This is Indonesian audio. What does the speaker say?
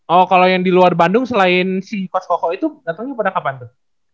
oh kalo yang di luar bandung selain si kos koko itu datangnya pada kapan tuh